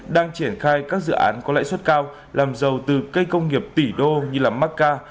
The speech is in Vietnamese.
đang triển khai các dự án có lãi suất cao làm giàu từ cây công nghiệp tỷ đô như macca